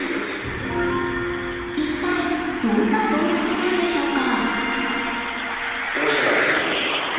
一体どんな洞窟なんでしょうか？